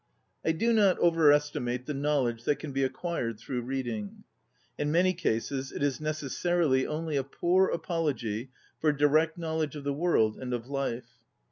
I do not overestimate the knowl edge that can be acquired through reading. In many cases it is neces sarily only a poor apology for direct knowledge of the world and of life.